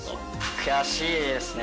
悔しいですね